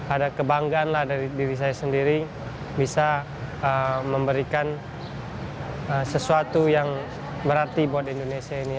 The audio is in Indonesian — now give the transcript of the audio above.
ada kebanggaan lah dari diri saya sendiri bisa memberikan sesuatu yang berarti buat indonesia ini